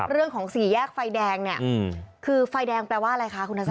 เรื่องของสีแยกไฟแดงเนี่ยคือไฟแดงแปลว่าอะไรคะคุณทัศนัย